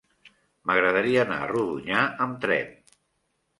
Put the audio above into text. M'agradaria anar a Rodonyà amb tren.